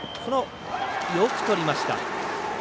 よくとりました。